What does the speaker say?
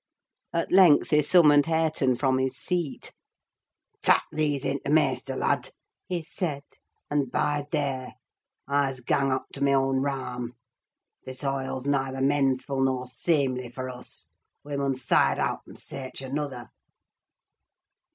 At length he summoned Hareton from his seat. "Tak' these in to t' maister, lad," he said, "and bide there. I's gang up to my own rahm. This hoile's neither mensful nor seemly for us: we mun side out and seearch another."